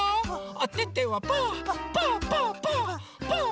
おててはパーパーパーパー！